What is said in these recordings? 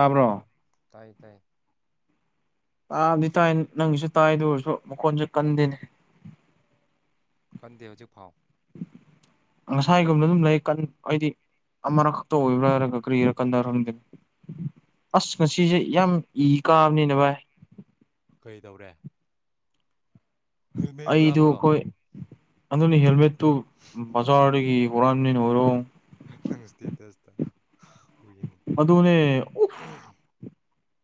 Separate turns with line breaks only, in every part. ꯇꯥꯕ꯭ꯔꯣ ꯇꯥꯏ ꯇꯥꯏꯌꯦ꯫
ꯑ ꯕꯤꯇꯥꯏ ꯅꯪꯒꯤꯁꯨ ꯇꯥꯏ ꯑꯗꯨ ꯑꯣꯏꯔꯁꯨ ꯃꯈꯣꯟꯁꯦ ꯀꯟꯗꯦꯅꯦ꯫
ꯀꯟꯗꯦ ꯍꯧꯖꯤꯛ ꯐꯥꯎ
ꯉꯁꯥꯏꯒꯨꯝꯕ ꯑꯗꯨꯝ ꯂꯩ ꯀꯟ ꯑꯩꯗꯤ ꯑꯃꯔꯛ ꯈꯛꯇꯥ ꯑꯣꯕ꯭ꯔ ꯍꯥꯏꯔꯒ ꯀꯔꯤꯒꯤꯔꯥ ꯀꯟꯗꯔꯡꯗꯦ꯫ ꯑꯁ ꯉꯁꯤꯁꯦ ꯌꯥꯝ ꯏ ꯀꯥꯕꯅꯤꯅꯥ ꯚꯥꯏ꯫
ꯀꯔꯤ ꯇꯧꯎꯔꯦ꯫
ꯑꯩꯗꯨ
ꯍꯨꯔꯥꯟꯕ꯭ꯔꯣ
ꯑꯩꯈꯣꯏ ꯑꯗꯨꯅꯤ ꯍꯦꯜꯃꯦꯠꯇꯨ ꯕꯖꯥꯔꯗꯒꯤ ꯍꯣꯔꯥꯟꯕꯅꯤꯅ ꯑꯣꯏꯔꯣ
ꯅꯪ ꯁꯇꯦꯇꯁ ꯇ
ꯑꯗꯨꯅꯦ ꯎꯐ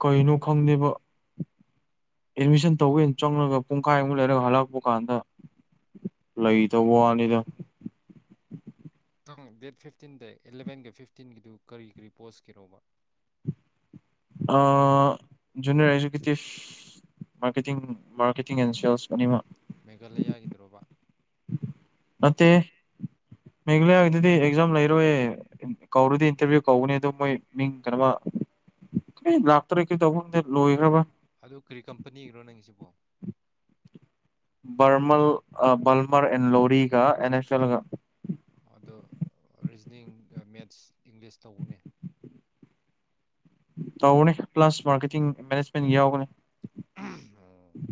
ꯀꯩꯅꯣ ꯈꯪꯗꯦꯕ ꯑꯦꯠꯃꯤꯁꯟ ꯇꯧꯒꯦꯅ ꯆꯪꯂꯒ ꯄꯨꯡꯈꯥꯏꯃꯨꯛ ꯂꯩꯔꯒ ꯍꯜꯂꯛꯄ ꯀꯥꯟꯗ ꯂꯩꯏ ꯇ ꯋꯥꯅꯤꯗ
ꯇꯪ ꯗꯦꯠ ꯐꯤꯐꯇꯤꯟꯗ ꯑꯦꯂꯚꯦꯟꯒ ꯐꯤꯐꯇꯤꯟꯒꯤꯗꯨ ꯀꯔꯤ ꯀꯔꯤ ꯄꯣꯁꯀꯤꯔꯣꯕ
ꯑꯥ junior executive. Marketing marketing and sales ꯑꯅꯤꯃꯛ
ꯃꯦꯘꯥꯂꯌꯥꯒꯤꯗꯨꯔꯣꯕ
ꯅꯠꯇꯦ ꯃꯦꯘꯥꯂꯌꯥꯒꯤꯗꯨꯗꯤ ꯑꯦꯛꯖꯥꯝ ꯂꯩꯔꯣꯏꯌꯦ ꯀꯧꯔꯗꯤ ꯏꯟꯇꯔꯚꯤꯌꯨ ꯀꯧꯒꯅꯤ ꯑꯗꯨ ꯃꯣꯏ ꯃꯤꯡ ꯀꯩꯅꯣꯃ ꯂꯥꯛꯇꯔꯦ ꯀꯩꯗꯧ ꯈꯪꯗꯦ ꯂꯣꯏꯈ꯭ꯔꯕ
ꯑꯗꯨ ꯀꯔꯤ ꯀꯝꯄꯅꯤꯒꯤꯅꯣ ꯅꯪꯁꯤꯕꯣ
ꯄꯔꯃꯜ ꯑ ꯄꯜꯃꯔ ꯑꯦꯟ ꯂꯣꯔꯤꯒ ꯑꯦꯟꯑꯦꯐꯁꯦꯜꯒ
ꯑꯗꯣ ꯔꯤꯖꯅꯤꯡ ꯒ ꯃꯦꯠꯁ ꯏꯪꯂꯤꯁ ꯇꯧꯋꯣꯅꯦ
ꯇꯧꯔꯅꯤ ꯄ꯭ꯂꯁ ꯃꯥꯔꯀꯦꯠꯇꯤꯡ ꯃꯦꯅꯦꯖꯃꯦꯟ ꯌꯥꯎꯒꯅꯤ
ꯑꯣ [inaudible]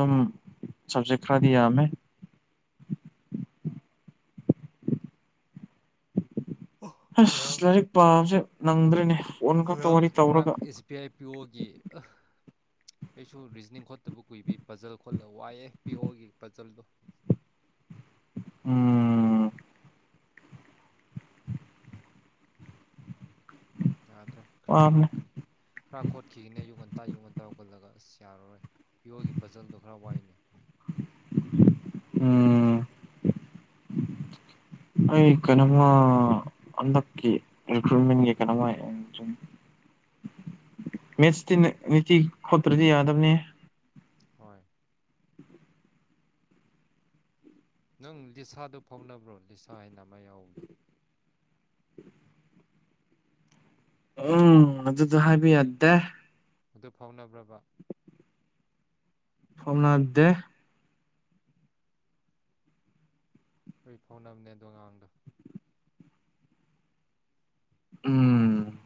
ꯎꯝ ꯁꯕꯖꯦꯛ ꯈꯔꯗꯤ ꯌꯥꯝꯃꯦ
ꯑꯣ
ꯑꯁ
ꯉꯔꯥꯡ
ꯂꯥꯏꯔꯤꯛ ꯄꯥꯕꯁꯦ ꯅꯪꯗ꯭ꯔꯦꯅꯦ ꯐꯣꯟ ꯈꯛꯇ
ꯔꯥꯡ
ꯋꯥꯔꯤ
ꯉꯔꯥꯡ
ꯇꯧꯔꯒ
ꯑꯦꯁ ꯕꯤ ꯑꯥꯏ ꯄꯤꯌꯣꯒꯤ ꯑꯩꯁꯨ ꯔꯤꯖꯅꯤꯡ ꯈꯣꯠꯇꯕ ꯀꯨꯏꯕꯤ ꯄꯖꯜ ꯈꯣꯠꯂꯒ ꯋꯥꯏꯌꯦ ꯄꯤ ꯑꯣꯒꯤ ꯄꯖꯜꯗꯣ
ꯎꯝ
ꯌꯥꯗ꯭ꯔꯦ ꯈꯔ
ꯋꯥꯕꯅꯦ
ꯈꯣꯠꯀꯅꯤ ꯈꯔ ꯈꯣꯠꯈꯤꯒꯅꯤ ꯑꯌꯨꯛ ꯉꯟꯇꯥ ꯑꯌꯨꯛ ꯉꯟꯇꯥ ꯍꯧꯒꯠꯂꯒ ꯑꯁ ꯌꯥꯔꯔꯣꯏ ꯄꯤꯌꯣꯒꯤ ꯄꯖꯜꯗꯣ ꯈꯔ ꯋꯥꯏꯅꯦ
ꯎꯝ
[inaudible]
ꯑꯩ ꯀꯩꯅꯣꯃ ꯍꯟꯗꯛꯀꯤ ꯔꯤꯀꯔ꯭ꯨꯏꯠꯃꯦꯟꯒꯤ ꯀꯩꯅꯃ
[inaudible]
ꯃꯦꯠꯁꯇꯤ ꯅꯨꯡꯇꯤ ꯈꯣꯠꯇ꯭ꯔꯗꯤ ꯌꯥꯗꯕꯅꯦ꯫
ꯍꯣꯏ꯫ ꯅꯪ ꯂꯤꯁꯥꯗꯣ ꯐꯥꯎꯅꯕ꯭ꯔꯣ ꯂꯤꯁꯥ ꯍꯥꯏꯅ ꯑꯃ ꯌꯥꯎꯕꯗꯣ꯫
ꯎꯝ ꯑꯗꯨꯗꯣ ꯍꯥꯏꯕ ꯌꯥꯗꯦ꯫
ꯑꯗꯨ ꯐꯥꯎꯅꯕ꯭ꯔꯕ꯫
ꯐꯥꯎꯅꯗꯦ꯫
ꯈꯣꯌꯗꯤ ꯐꯥꯎꯅꯕꯅꯦ ꯑꯗꯨ ꯑꯉꯥꯡꯗꯣ꯫
ꯎꯝ꯫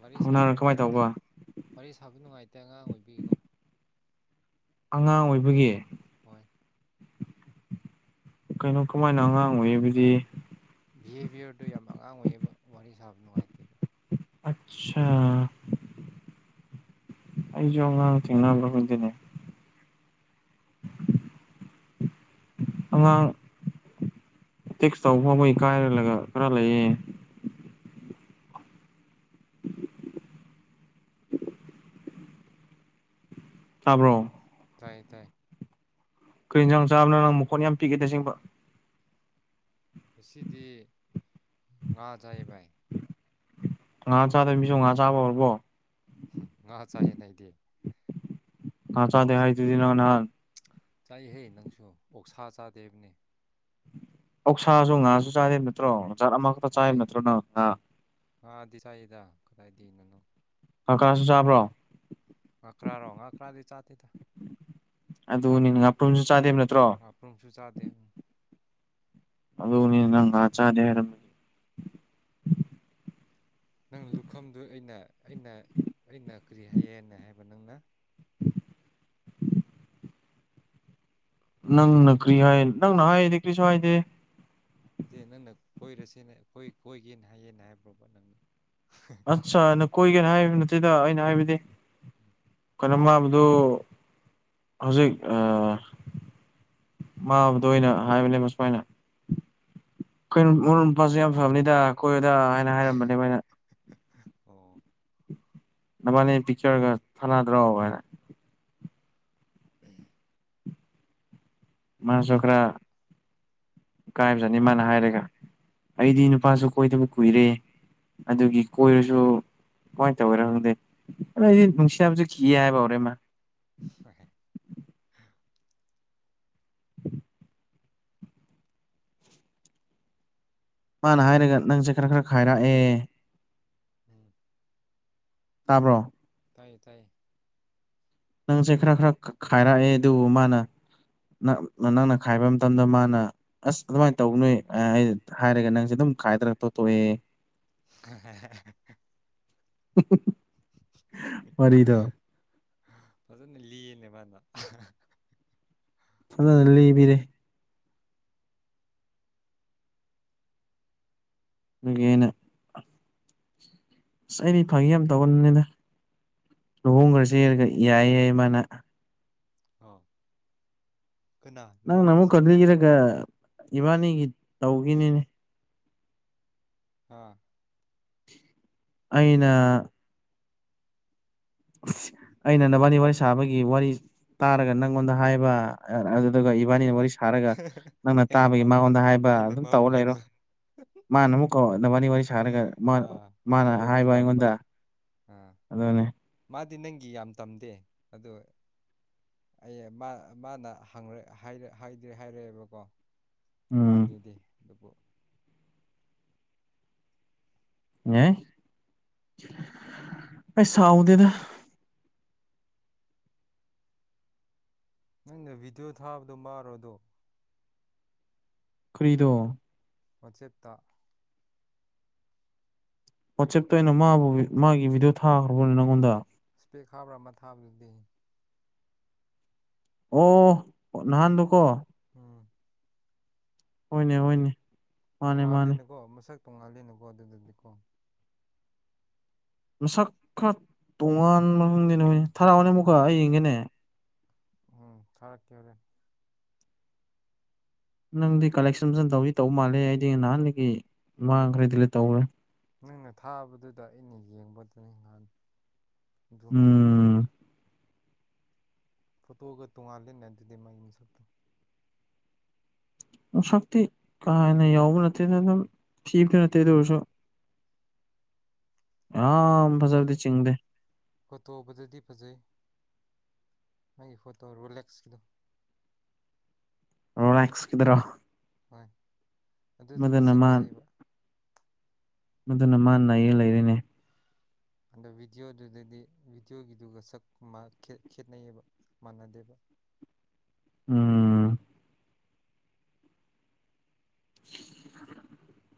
ꯋꯥꯔꯤ ꯁꯥꯕ
ꯐꯥꯎꯅꯔ ꯀꯃꯥꯏꯅ
ꯅꯨꯡꯉꯥꯏꯇꯦꯗ
ꯇꯧꯕ
ꯋꯥꯔꯤ ꯁꯥꯕ ꯅꯨꯡꯉꯥꯏꯇꯦ ꯑꯉꯥꯡ ꯑꯣꯏꯕꯩꯀꯣ꯫
ꯑꯉꯥꯡ ꯑꯣꯏꯕꯒꯤ꯫
ꯍꯣꯏ꯫
ꯀꯩꯅꯣ ꯀꯃꯥꯏꯅ ꯑꯉꯥꯡ ꯑꯣꯏꯕꯗꯤ
ꯕꯤꯍꯦꯕꯤꯌꯔꯗꯣ ꯌꯥꯝꯅ ꯑꯉꯥꯡ ꯑꯣꯏꯌꯦꯕ ꯋꯥꯔꯤ ꯁꯥꯕ ꯅꯨꯡꯉꯥꯏꯇꯦꯕ꯫
ꯑꯠꯁꯥ꯫ ꯑꯩꯖꯨ ꯑꯉꯥꯡ ꯊꯦꯡꯅꯕꯔ ꯈꯪꯗꯦꯅꯦ꯫
[inaudible]
ꯑꯉꯥꯡ ꯇꯦꯛꯁ ꯇꯧꯕ [unintelligible] ꯈꯔ ꯂꯩꯌꯦ ꯇꯥꯕ꯭ꯔꯣ꯫
ꯇꯥꯏꯌꯦ ꯇꯥꯏꯌꯦ꯫
ꯀꯩ ꯏꯟꯖꯥꯡ ꯆꯥꯕꯅꯣ ꯅꯪ ꯃꯈꯣꯟ ꯌꯥꯝ ꯄꯤꯛꯏꯗ ꯑꯁꯦꯡꯕ
ꯉꯁꯤꯗꯤ ꯉꯥ ꯆꯥꯏꯌꯦ ꯕꯥꯏ꯫
ꯉꯥ ꯆꯥꯗꯕ ꯃꯤꯁꯨ ꯉꯥ ꯆꯥꯕ ꯍꯧꯔꯕꯣ꯫
ꯉꯥ ꯆꯥꯏꯌꯦꯗ ꯑꯩꯗꯤ꯫
ꯉꯥ ꯆꯥꯗꯦ
ꯃꯍꯧꯁꯥꯅ
ꯍꯥꯏꯗꯨꯗꯤ ꯅꯪ ꯅꯍꯥꯟ꯫
ꯆꯥꯏꯍꯦ ꯅꯪꯁꯨ ꯑꯣꯛꯁꯥ ꯆꯥꯗꯦ ꯍꯥꯏꯕꯅꯤ꯫
ꯑꯣꯛꯁꯥꯁꯨ ꯉꯥꯁꯨ ꯆꯥꯗꯦ ꯍꯥꯏꯕ ꯅꯠꯇ꯭ꯔꯣ ꯉꯁꯥꯏ ꯑꯃꯈꯛꯇ ꯆꯥꯏ
ꯍꯩ
ꯍꯥꯏꯕ ꯅꯠꯇ꯭ꯔꯣ ꯉꯥ꯫
ꯉꯥꯗꯤ ꯆꯥꯏꯗ ꯀꯗꯥꯏꯗꯩꯩꯅꯣ ꯅꯪ꯫
ꯉꯀ꯭ꯔꯥꯁꯨ ꯆꯥꯕ꯭ꯔꯣ꯫
ꯉꯀꯔꯥ ꯔꯣ ꯉꯀꯔꯥꯗꯤ ꯆꯥꯗꯦꯗ
ꯑꯗꯨꯅꯤ
ꯉꯥꯄꯔꯨꯝ
ꯉꯥꯄ꯭ꯔꯨꯝꯁꯨ ꯆꯥꯗꯦꯕ ꯅꯠꯇ꯭ꯔꯣ
ꯑꯣꯛꯁꯨ ꯆꯥꯗꯦ ꯎꯝ꯫
ꯑꯗꯨꯅꯣ ꯅꯪ ꯆꯥꯗꯦ ꯍꯥꯏꯔ
ꯅꯪ ꯂꯨꯈꯝꯗꯨ ꯑꯩꯅ ꯑꯩꯅ ꯑꯩꯅ ꯀꯔꯤ ꯍꯥꯏꯌꯦꯅ ꯍꯥꯏꯕ ꯅꯪꯅ
ꯅꯪꯅ ꯀ꯭ꯔꯤ ꯍꯥꯏ ꯅꯪꯅ ꯍꯥꯏꯗꯤ ꯀ꯭ꯔꯤꯁꯨ ꯍꯥꯏꯗꯦ꯫
ꯑꯗꯨ ꯅꯪꯅ ꯀꯣꯏꯔꯁꯦꯅ ꯀꯣꯏꯒꯦꯅ ꯍꯥꯏꯌꯦꯅ ꯍꯥꯏꯕ꯭ꯔꯣꯕ ꯅꯪꯅ꯫
ꯑꯠꯆꯥ ꯅ ꯀꯣꯏꯒꯦꯅ ꯍꯥꯏꯕ ꯅꯠꯇꯦꯗ ꯑꯩꯅ ꯍꯥꯏꯕꯗꯤ
ꯎꯝ
ꯀꯩꯅꯣꯝ ꯃꯥꯕꯗꯨ ꯍꯧꯖꯤꯛ ꯃꯥꯕꯨꯗꯣ ꯑꯩꯅ ꯍꯥꯏꯕꯅꯦꯕ ꯁꯨꯃꯥꯏꯅ ꯀꯩ ꯃꯔꯨꯞ ꯃꯄꯥꯡꯖꯨ ꯌꯥꯝ ꯐꯕꯅꯗ ꯑꯩꯈꯣꯏꯗꯥ ꯍꯥꯏꯅ ꯍꯥꯏꯔꯝꯕꯅꯦ ꯑꯩꯅ
[unintelligible] ꯑꯣ꯫
ꯅꯕꯥꯅꯤ ꯄꯤꯛꯆꯔꯒ ꯊꯥꯅꯗ꯭ꯔꯣ ꯍꯥꯏꯅ
ꯎꯝ꯫
ꯃꯥꯁꯨ
ꯅꯪꯅ
ꯈꯔ ꯏꯀꯥꯏꯕꯖꯅꯤ ꯃꯥꯅ ꯍꯥꯏꯔꯒ ꯑꯩꯗꯤ ꯅꯨꯄꯥꯁꯨ ꯀꯣꯏꯗꯕ ꯀꯨꯏꯔꯦ ꯑꯗꯨꯒꯤ ꯀꯣꯏꯔꯁꯨ ꯀꯃꯥꯏꯅ ꯇꯧꯔ ꯈꯪꯗꯦ ꯑꯗꯨꯗꯩ ꯑꯩꯗꯤ ꯅꯨꯡꯁꯤꯕꯁꯨ ꯀꯤꯌꯦ ꯍꯥꯏꯕ ꯍꯧꯔꯦ ꯃꯥ
[unintelligible]
ꯃꯥꯅ ꯍꯥꯏꯔꯒ ꯅꯪꯁꯦ ꯈꯔ ꯈꯔ ꯈꯥꯏꯔꯛꯑꯦ
ꯎꯝ꯫
ꯇꯥꯕ꯭ꯔꯣ
ꯇꯥꯏꯌꯦ ꯇꯥꯏꯌꯦ
ꯅꯪꯁꯦ ꯈꯔ ꯈꯔ ꯈꯥꯏꯔꯛꯑꯦ ꯑꯗꯨꯕꯨ ꯃꯥꯅ ꯅ ꯅꯪꯅ ꯈꯥꯏꯕ ꯃꯇꯝꯗ ꯃꯥꯅ ꯑꯁ ꯑꯗꯨꯃꯥꯏꯅ ꯇꯧꯕ ꯅꯣꯏ ꯑꯩ ꯍꯥꯏꯔꯒ ꯅꯪꯁꯦ ꯑꯗꯨꯝ ꯈꯥꯏꯗ꯭ꯔꯒ ꯇꯣꯊꯣꯛꯑꯦ
[inaudible]
ꯋꯥꯔꯤꯗꯣ
ꯐꯖꯅ ꯂꯤꯌꯦꯅꯦ ꯃꯥꯅ
[unintelligible] [unintelligible] ꯑꯩꯅ ꯑꯁ ꯑꯩꯗꯤ ꯐꯪꯉꯦ ꯌꯥꯝ ꯇꯧꯒꯟꯅꯤꯅ ꯂꯨꯍꯣꯡꯈ꯭ꯔ ꯆꯦꯔꯒ ꯌꯥꯏꯌꯦ ꯃꯥꯅ
ꯑ
ꯅꯪꯅ ꯑꯃꯨꯛꯀ ꯂꯤꯔꯒ ꯏꯕꯥꯅꯤꯒꯤ ꯇꯧꯈꯤꯅꯤꯅꯦ
ꯍꯥꯥ
ꯑꯏꯩꯅ ꯑꯩꯅ ꯅ ꯋꯥꯔꯤꯅꯤ ꯋꯥꯔꯤ ꯁꯥꯕꯒꯤ ꯋꯥꯔꯤ ꯇꯥꯔꯒ ꯅꯪꯉꯣꯟꯗ ꯍꯥꯏꯕ ꯑꯗꯨꯗꯨꯒ ꯏꯕꯥꯅꯤꯅ ꯋꯥꯔꯤ ꯊꯥꯔꯒ ꯅꯪꯅ
ꯑꯩꯅ ꯃꯥ
ꯇꯥꯕꯒꯤ ꯃꯉꯣꯟꯗ ꯍꯥꯏꯕ
ꯑꯩꯅ
ꯑꯗꯨꯝ
ꯃꯥꯕꯨ
ꯇꯧꯔ ꯂꯩꯔꯣ
ꯍꯥꯏꯕ
ꯃꯥꯅ ꯑꯃꯨꯛ ꯀꯅ ꯋꯥꯔꯤ ꯋꯥꯔꯤ ꯁꯥꯔꯒ
ꯑꯥ
ꯃꯥꯅ
ꯅꯪꯕꯨ ꯑꯃꯨꯛ
ꯍꯥꯏꯕ
ꯇꯝꯕ
ꯑꯩꯉꯣꯟꯗ
ꯑꯥ
ꯑꯗꯅꯦ
ꯃꯥꯗꯤ ꯅꯪꯒꯤ ꯌꯥꯝ ꯇꯝꯗꯦ ꯑꯗꯣ ꯑꯩ ꯃꯥ ꯃꯥꯅ ꯍꯥꯏꯗ꯭ꯔꯦ ꯍꯥꯏꯔꯛꯑꯦꯕꯀꯣ
ꯎꯝ
ꯃꯥꯅꯤꯗꯦ ꯑꯗꯨꯕꯨ
ꯑꯦ ꯄꯩꯁꯥꯥꯎꯗꯗ
ꯅꯪꯅ ꯚꯤꯗꯤꯑꯣ ꯊꯥꯕꯗꯣ ꯃꯥꯔꯣꯗꯣ
ꯀꯔꯤꯗꯣ
ꯋꯥꯆꯦꯞꯇ
ꯋꯥꯆꯦꯞꯇ ꯑꯣꯏꯅ ꯃꯥꯕꯨ ꯃꯥꯒꯤ ꯚꯤꯗꯤꯑꯣ ꯊꯥꯈ꯭ꯔꯕꯅꯦ ꯅꯪꯉꯣꯟꯗ
ꯏꯁ꯭ꯄꯦꯛ ꯍꯥꯕ꯭ꯔꯥ ꯑꯃ ꯊꯥꯕꯗꯨꯗꯤ
ꯑꯣ ꯅꯍꯥꯟꯗꯨꯀꯣ
ꯎꯝ
ꯍꯣꯏꯅꯦ ꯍꯅꯦ
ꯇꯣꯡꯉꯥꯜꯂꯦꯅꯦꯀꯣ ꯃꯁꯛ ꯇꯣꯉꯥꯜꯂꯦꯅꯦꯀꯣ ꯑꯗꯨꯗꯗꯤꯀꯣ
ꯃꯁꯛ ꯈꯔ ꯇꯣꯉꯥꯟꯕ꯭ꯔꯥ ꯈꯪꯗꯦꯅꯦ ꯍꯣꯏꯅꯦ ꯊꯔꯥꯛꯑꯣꯅꯦ ꯑꯃꯨꯛꯀ ꯑꯩ ꯌꯦꯡꯒꯦꯅꯦ
ꯎꯝ ꯊꯥꯔꯛ ꯀꯦ ꯍꯣꯔꯦꯟ
ꯅꯪꯗꯤ ꯀꯂꯦꯛꯁꯟ ꯐꯖꯅ ꯇꯧꯗꯤ ꯇꯧꯕ ꯃꯥꯜꯂꯦ ꯑꯩꯗꯤ ꯅꯍꯥꯟꯗꯒꯤ ꯃꯥꯡ ꯈ꯭ꯔꯦ ꯗꯤꯂꯦꯠ ꯇꯧꯒ꯭ꯔꯦ
ꯅꯪꯅ ꯊꯥꯕꯗꯨꯗ ꯑꯩꯅ ꯌꯦꯡꯕꯗꯨꯅꯤ ꯉꯍꯥꯟ ꯗꯨ
ꯎꯝ
ꯐꯣꯇꯣꯒ ꯇꯣꯉꯥꯜꯂꯦꯟꯅꯦ ꯑꯗꯨꯗꯤ ꯃꯥꯏ ꯃꯁꯛꯇꯣ
ꯃꯁꯛꯇꯤ ꯀꯥ ꯍꯦꯟꯅ ꯌꯥꯎꯕ ꯅꯠꯇꯦꯗ ꯑꯗꯨꯝ ꯊꯤꯕꯗꯨ ꯅꯠꯇꯦ ꯑꯗꯨ ꯑꯣꯏꯔꯁꯨ ꯌꯥꯝ ꯐꯖꯕꯗꯤ ꯆꯤꯡꯗꯦ
ꯐꯣꯇꯣ ꯐꯖꯗꯤ ꯐꯖꯩ ꯃꯥꯒꯤ ꯐꯣꯇꯣ ꯔꯣꯂꯦꯛꯁꯀꯤꯗꯣ
ꯔꯣꯂꯦꯛꯁ ꯀꯤꯗꯨꯔꯣ
ꯍꯣꯏ ꯑꯗꯨꯗꯨꯗꯤ ꯁꯛ
ꯃꯥ
ꯐꯖꯩꯌꯦꯕ
ꯃꯗꯨꯅ ꯃꯥ ꯅꯩꯔ ꯂꯩꯔꯦꯅꯦ
ꯑꯗꯨ ꯚꯤꯗꯤꯑꯣꯗꯨꯗꯗꯤ ꯚꯤꯗꯤꯑꯣꯒꯤꯗꯨꯒ ꯁꯛ ꯃꯥꯟ ꯈꯦꯠ ꯈꯦꯠꯅꯩꯌꯦꯕ ꯃꯥꯟꯅꯗꯦꯕ
ꯎꯝ
[inaudible]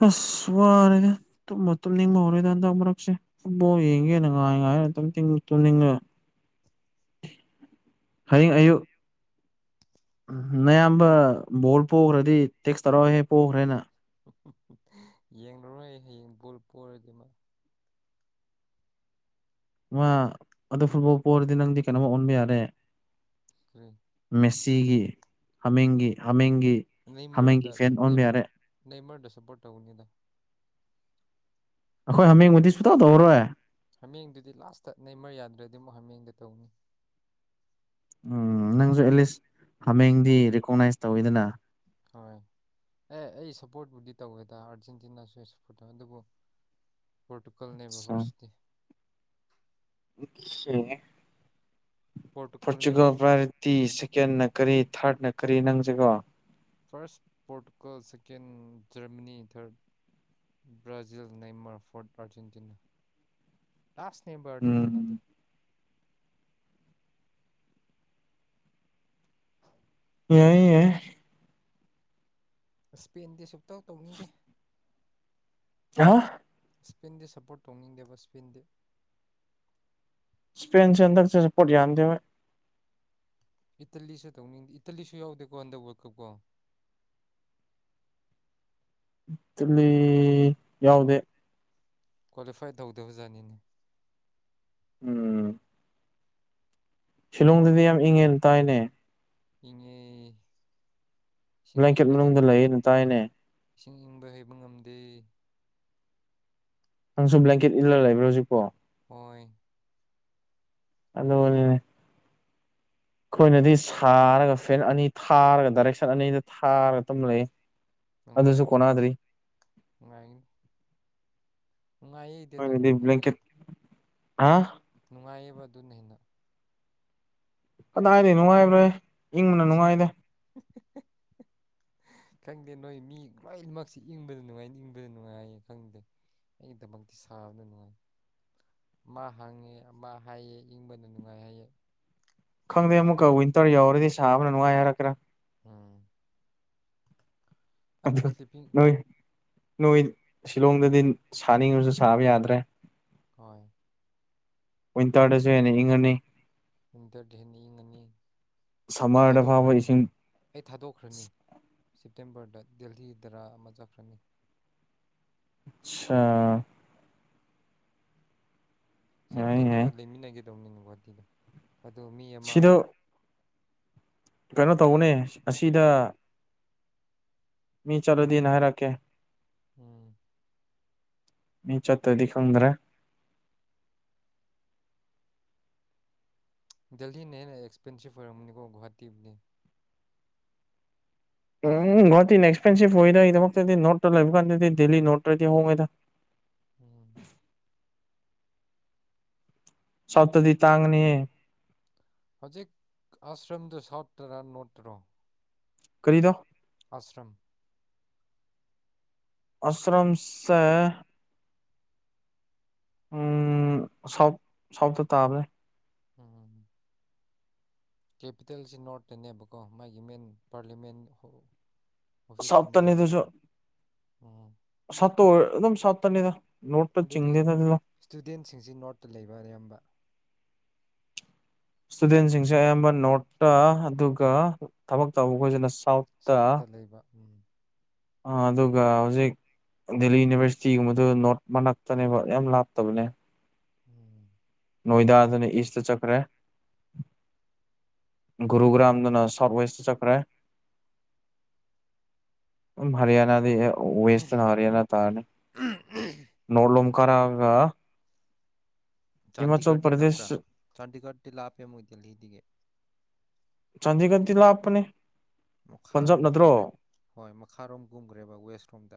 ꯏꯁ ꯋꯥꯔꯦꯍꯦ ꯇꯨꯝꯕꯨ ꯇꯨꯝꯅꯤꯡꯕ ꯍꯧꯔꯦꯗ ꯍꯟꯗꯛꯃꯔꯛꯁꯦ ꯐꯠꯕꯣꯜ ꯌꯦꯡꯒꯦꯅ ꯉꯥꯏ ꯉꯥꯏꯔ ꯑꯗꯨꯝ ꯊꯤꯡ ꯇꯨꯝꯅꯤꯡꯉꯦ ꯍꯌꯦꯡ ꯑꯌꯨꯛ ꯎꯝ ꯅꯌꯥꯝꯕ ꯕꯣꯜ ꯄꯣꯈ꯭ꯔꯗꯤ ꯇꯦꯛꯁ ꯊꯔꯥꯛꯑꯣꯍꯦ ꯄꯣꯈ꯭ꯔꯦꯅ
[unintelligible] ꯌꯦꯡꯂꯔꯣꯏ ꯍꯌꯦꯡ ꯕꯣꯜ ꯄꯣꯔꯗꯤ ꯃꯥ
ꯃꯥ ꯑꯗꯨ ꯐꯨꯠꯕꯣꯜ ꯄꯣꯔꯗꯤ ꯅꯪꯗꯤ ꯀꯩꯅꯣꯝꯃ ꯑꯣꯟꯕ ꯌꯥꯔꯦ
ꯀꯩ
ꯃꯦꯁꯤꯒꯤ ꯍꯥꯃꯦꯡꯒꯤ ꯍꯥꯃꯦꯡ__
ꯅꯩꯃꯔꯗ ꯁ ꯅꯦꯃ ꯅꯦꯃꯔꯗ ꯁꯄꯣꯔꯠ ꯇꯧꯒꯅꯤꯗ
ꯑꯩꯈꯣꯏ ꯍꯥꯃꯦꯡꯕꯨꯗꯤ ꯁꯨꯇꯧ ꯇꯧꯔꯔꯣꯏ
ꯍꯥꯃꯦꯡꯗꯨꯗꯤ ꯂꯥꯁꯇ ꯅꯦꯃꯔ ꯌꯥꯗ꯭ꯔꯗꯤ ꯑꯃꯨꯛ ꯍꯥꯃꯦꯡꯗ ꯇꯧꯅꯤ
ꯎꯝ ꯅꯪꯁꯨ ꯑꯦꯠꯂꯤꯁ ꯍꯥꯃꯦꯡꯗꯤ ꯔꯤꯀꯣꯛꯅꯥꯏꯁ ꯇꯧꯋꯦꯗꯅ
ꯍꯣꯏ ꯑꯦ ꯑꯩ ꯁꯞꯄꯣꯔꯠꯄꯨꯗꯤ ꯇꯧꯋꯦꯗ ꯑꯥꯔꯖꯦꯟꯇꯤꯅꯥꯁꯨ ꯑꯩ ꯁꯞꯄꯣꯔꯠ ꯇꯧꯋꯦ ꯑꯗꯨꯕꯨ ꯄꯣꯔꯇꯨꯒꯜꯅꯦꯕ ꯚꯔꯁꯇꯤ
[unintelligible] ꯁꯦꯡꯉꯦ
ꯄꯣꯔꯇꯨꯒꯜꯅꯦꯕ
ꯄꯣꯔꯆꯨꯒꯜ ꯄꯥꯏꯔꯗꯤ ꯁꯦꯀꯦꯟꯅ ꯀꯔꯤ ꯊ꯭ꯔꯠꯅ ꯀꯔꯤ ꯅꯪꯁꯦꯀꯣ
ꯐꯥꯔꯁ ꯄꯣꯔꯇꯨꯒꯜ ꯁꯦꯀꯦꯟ ꯖꯔꯃꯅꯤ ꯊ꯭ꯔꯠ ꯕꯥꯖꯤꯜ ꯅꯦꯝꯃꯔ ꯐꯣꯔꯠ ꯑꯔꯖꯦꯟꯇꯤꯅꯥ ꯂꯥꯁ ꯅꯦꯕ
ꯎꯝ
ꯑꯔꯖꯦꯟꯇꯤꯅꯥꯗꯤ
ꯌꯥꯏꯌꯦ ꯌꯥꯏꯌꯦ
ꯁ꯭ꯄꯦꯟꯗꯤ ꯁꯨꯛꯇꯧ ꯇꯧꯅꯤꯡꯗꯦ
[unintelligible]
ꯁ꯭ꯄꯦꯟꯗꯤ ꯁꯞꯄꯣꯔꯠ ꯇꯧꯅꯤꯡꯗꯦꯕ ꯁ꯭ꯄꯦꯟꯗꯤ
ꯁ꯭ꯄꯦꯟꯁꯦ ꯍꯟꯗꯛꯁꯦ ꯔꯤꯄꯣꯔꯠ ꯌꯥꯝꯗꯦ ꯍꯣꯏ
ꯏꯠꯇꯂꯤꯁꯨ ꯇꯧꯅꯤꯡꯗꯦ ꯏꯠꯇꯂꯤꯁꯨ ꯌꯥꯎꯗꯦꯀꯣ ꯍꯟꯗꯛ ꯋꯥꯔꯜ ꯀꯞꯀꯣ
ꯏꯇꯂꯤ ꯌꯥꯎꯗꯦ
ꯀ꯭ꯋꯥꯂꯤꯐꯥꯏ ꯇꯧꯗꯕ ꯖꯥꯅꯤꯅꯦ
ꯎꯝ ꯁꯤꯂꯣꯡꯗꯗꯤ ꯌꯥꯝ ꯏꯪꯉꯦꯅ ꯇꯥꯏꯌꯦꯅꯦ
ꯏꯪꯉꯦ ꯏꯁꯤꯡ
ꯕ꯭ꯂꯦꯡꯀꯦꯠ
ꯏꯪꯕ ꯍꯦꯛ
ꯃꯅꯨꯡꯗ ꯂꯩꯌꯦꯅ ꯇꯥꯏꯅꯦ
[unintelligible] ꯏꯁꯤꯡ ꯏꯪꯕ ꯍꯩꯕ ꯉꯝꯗꯦ
ꯅꯪꯁꯨ ꯕ꯭ꯂꯦꯡꯀꯦꯠ ꯏꯜꯂꯒ ꯂꯩꯕ꯭ꯔ ꯍꯧꯖꯤꯛꯄꯣ
ꯍꯣꯏ
ꯑꯗꯣꯅꯤꯅꯦ ꯑꯩꯈꯣꯏꯅꯗꯤ ꯁꯥꯔꯒ ꯐꯦꯟ ꯑꯅꯤ ꯊꯥꯔꯒ ꯗꯥꯏꯔꯦꯛꯁꯟ ꯑꯅꯤꯗ ꯊꯥꯔꯒ ꯑꯗꯨꯝ ꯂꯩ ꯑꯗꯨꯁꯨ
ꯅꯨꯡꯉꯥꯏꯒꯅꯤ
ꯀꯣꯟꯅꯗ꯭ꯔꯤ
ꯅꯨꯡꯉꯥꯏꯒꯅꯤ [unintelligible] ꯑꯗꯨ
ꯍꯣꯏꯗꯤ꯭ꯂꯀꯦꯠ ꯍꯥ
ꯅꯨꯡꯉꯥꯏꯌꯦꯕ ꯑꯗꯨꯅ ꯍꯦꯟꯅ
ꯀꯗꯥꯏꯗꯤ ꯅꯨꯡꯉꯥꯏꯕ꯭ꯔꯦ ꯏꯪꯕꯅ ꯅꯨꯡꯉꯥꯏꯗꯦ
[unintelligible] ꯈꯪꯗꯦ ꯅꯣꯏ ꯃꯤ ꯂ ꯂꯣꯏꯅꯃꯛꯁꯤ ꯏꯪꯕꯗ ꯅꯨꯡꯉꯥꯏ ꯏꯪꯕꯗ ꯅꯨꯡꯉꯥꯏꯌꯦ ꯈꯪꯗꯦ ꯑꯩꯒꯤꯗꯃꯛꯇꯤ ꯁꯥꯕꯅ ꯅꯨꯡꯉꯥꯏ ꯃꯥ ꯍꯪꯉꯦ ꯃꯥ ꯍꯥꯏꯌꯦ ꯏꯪꯕꯅ ꯅꯨꯡꯉꯥꯏ ꯍꯥꯏꯌꯦ ꯒ꯭ꯌꯥꯟ
ꯈꯪꯗꯦ
ꯇꯥꯗꯦ
ꯑꯃꯨꯛꯀ ꯋꯤꯟꯇꯔ ꯌꯥꯎꯔꯗꯤ ꯁꯥꯕꯅ ꯅꯨꯡꯉꯥꯏ ꯍꯥꯏꯔꯛꯀ꯭ꯔꯥ
ꯎꯝ ꯑ
ꯑꯗꯨ
ꯁ꯭ꯂꯤꯞꯄꯤꯡ
ꯅꯣꯏ ꯅꯣꯏ ꯁꯤꯂꯣꯡꯗꯗꯤ ꯁꯥꯅꯤꯡꯉꯁꯨ ꯁꯥꯕ ꯌꯥꯗ꯭ꯔꯦ
ꯍꯣꯏ
ꯋꯤꯟꯇꯔꯗꯁꯨ ꯍꯦꯟꯅ ꯏꯪꯉꯅꯤ
ꯋꯤꯟꯇꯔꯗꯦ ꯍꯦꯟꯅ ꯏꯪꯉꯅꯤ ꯑꯩ
ꯁꯝꯃꯔꯗ ꯐꯥꯎꯕ
ꯊꯥꯗꯣꯛꯈ꯭ꯔꯅꯤ
ꯏꯁꯤꯡ
ꯑꯩ ꯊꯥꯗꯣꯛꯈ꯭ꯔꯅꯤ ꯁꯦꯞꯇꯦꯝꯕꯔꯗ ꯗꯦꯍꯤꯗꯔ ꯑꯃ ꯆꯠꯈ꯭ꯔꯅꯤ
[unintelligible]
ꯁꯤꯕꯨꯗꯤ
ꯌꯥꯏ ꯌꯥꯏ
ꯅꯪꯒ ꯂꯩꯃꯤꯟꯅꯒꯗꯧꯅꯤꯅ ꯒꯨꯍꯥꯇꯤꯗ ꯑꯗꯣ ꯃꯤ ꯑꯃ
ꯁꯤꯗ ꯀꯩꯅꯣ ꯇꯧꯕꯅꯦ ꯑꯁꯤꯗ ꯃꯤ ꯆꯠꯂꯨꯗꯤꯅꯦ ꯍꯥꯏꯔꯛꯀꯦ
ꯎꯝ
ꯃꯤꯆꯠꯇꯗꯤꯛꯪꯗ꯭ꯔ
ꯗꯦꯜꯜꯂꯤꯅ ꯍꯦꯟꯅ ꯑꯦꯛꯁꯄꯦꯟꯁꯤꯞ ꯑꯣꯏꯔꯝꯅꯤꯀꯣ ꯒꯨꯍꯥꯇꯤꯕꯨꯗꯤ
ꯎꯝ ꯍꯇꯤꯅ ꯑꯦꯛꯁꯄꯦꯟꯁꯤꯚ ꯑꯣꯏꯗ ꯑꯩꯗꯃꯛꯇꯗꯤ ꯅꯣꯠꯇ ꯂꯩꯕ ꯀꯥꯟꯗꯗꯤ ꯗꯦꯜꯂꯤ ꯅꯣꯔꯠꯇ꯭ꯔꯗꯤ ꯍꯣꯡꯉꯦꯗ
ꯎꯝ
ꯁꯞꯇꯗꯤ ꯇꯒꯅꯤ
ꯍꯧꯖꯤꯛ ꯑꯁ꯭ꯔꯝꯗꯨ ꯁꯥꯎꯠꯇꯔꯥ ꯅꯣꯔꯠꯇꯔꯣ
ꯀꯔꯤꯗꯣ
ꯑꯁ꯭ꯔꯝ
ꯑꯁ꯭ꯔꯝꯁꯦ ꯁꯥꯎꯠ ꯁꯥꯎꯠꯇ ꯇꯥꯕꯅꯦ
ꯎꯝ ꯀꯦꯄꯤꯇꯦꯜꯁꯤ ꯅꯣꯔꯠꯇꯅꯦꯕꯀꯣ ꯃꯥꯒꯤ ꯃꯦꯟ ꯄꯥꯔꯂꯤꯌꯥꯃꯦꯟ ꯑꯣꯐꯤꯁ ꯀꯨꯝ
ꯁꯥꯎꯠꯇꯅꯤ
ꯂꯩ ꯑꯣꯝ
ꯁꯠꯇ ꯑꯗꯨꯝ ꯁꯠꯇꯅꯤꯗ ꯅꯣꯠꯇ ꯆꯤꯡꯗꯦꯗ ꯑꯗꯨꯗ
ꯁ꯭ꯇꯨꯗꯦꯟꯁꯤꯡꯁꯤ ꯅꯣꯔꯠꯇ ꯂꯩꯕ ꯑꯌꯥꯝꯕ
ꯏꯁꯇꯨꯗꯦꯟꯁꯤꯡꯁꯦ ꯑꯌꯥꯝꯕ ꯅꯣꯠꯇ ꯑꯗꯨꯒ ꯊꯕꯛ ꯇꯧꯕ ꯈꯣꯏꯁꯤꯅ
ꯁꯥꯎꯠꯇ ꯂꯩꯕ ꯎꯝ
ꯑ ꯑꯗꯨꯒ ꯍꯧꯖꯤꯛ ꯗꯦꯜꯂꯤ ꯌꯨꯅꯤꯚꯔꯁꯤꯇꯤꯒꯨꯝꯕꯗꯨ ꯅꯣꯔꯠ ꯃꯅꯥꯛꯇꯅꯦꯕ ꯌꯥꯝ ꯂꯥꯞꯇꯕꯅꯦ
[unintelligible]
ꯅꯣꯏꯗꯥꯗꯅ ꯏꯁꯇ ꯆꯠꯈ꯭ꯔꯦ ꯒꯨꯔꯨ ꯒ꯭ꯔꯥꯝꯗꯨꯅ ꯁꯥꯎꯠ ꯋꯦꯁꯇ ꯆꯠꯈ꯭ꯔꯦ ꯍꯔꯌꯥꯅꯥ ꯋꯁꯇꯔꯟ ꯍꯔꯌꯥꯅꯥ ꯇꯥꯔꯅꯦ ꯅꯣꯠꯂꯣ
ꯍꯣꯏ
ꯀꯔꯒ
ꯆꯥꯟꯗꯤꯒꯔꯇꯤ ꯅꯛꯄ꯭ꯔꯥ
ꯄ꯭ꯔꯗꯦꯁ
ꯆꯥꯟꯗꯤꯒꯔꯇꯤ ꯂꯥꯞꯄꯦ ꯃꯨꯣꯏ ꯗꯦꯜꯂꯤꯗꯒꯤ
ꯆꯥꯟꯗꯤꯒꯔꯗꯤꯤ ꯂꯥꯞꯄꯅꯦ ꯄꯟꯖꯞ
ꯃꯈꯥꯔꯣꯝ
ꯅꯠꯇ꯭ꯔꯣ
ꯀꯨꯝꯈ꯭ꯔꯦ ꯍꯣꯏ ꯃꯈꯥꯔꯣꯝ ꯀꯨꯝꯈ꯭ꯔꯦꯕ ꯋꯦꯁ ꯔꯣꯝꯗ